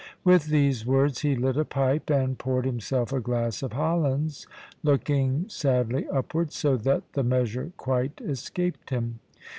With these words he lit a pipe, and poured himself a glass of Hollands, looking sadly upward, so that the measure quite escaped him.